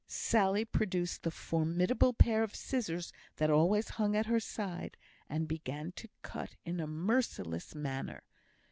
Sally produced the formidable pair of scissors that always hung at her side, and began to cut in a merciless manner.